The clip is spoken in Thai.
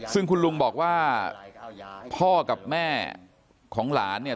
ซึ่งคุณลุงบอกว่าพ่อกับแม่ของหลานเนี่ย